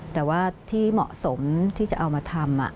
แต่ว่าที่เหมาะสมที่จะเอามาทำ